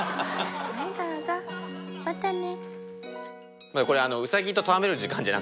はいどうぞまたね。